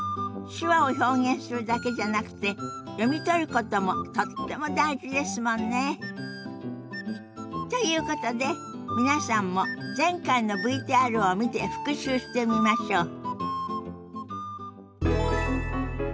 手話を表現するだけじゃなくて読み取ることもとっても大事ですもんね。ということで皆さんも前回のＶＴＲを見て復習してみましょ。